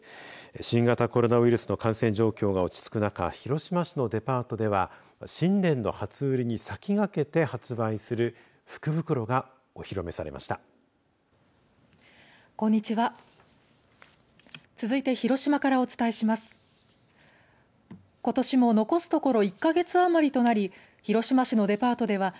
新型コロナウイルスの感染状況が落ち着く中広島市のデパートでは新年の初売りに先駆けて発売する福袋がお披露目されました。